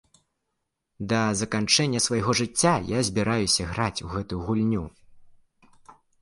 Да заканчэння свайго жыцця я збіраюся граць у гэтую гульню!